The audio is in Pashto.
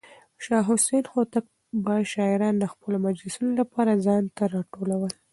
شاه حسين هوتک به شاعران د خپلو مجلسونو لپاره ځان ته راټولول.